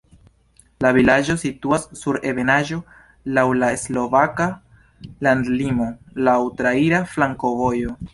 La vilaĝo situas sur ebenaĵo, laŭ la slovaka landlimo, laŭ traira flankovojo.